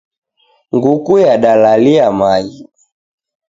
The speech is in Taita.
Nguku yadalalia maghi.